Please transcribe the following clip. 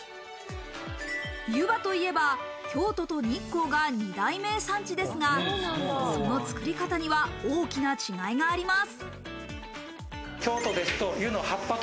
ゆばといえば京都と日光が二大名産地ですが、その作り方には大きな違いがあります。